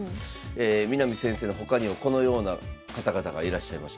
南先生の他にはこのような方々がいらっしゃいました。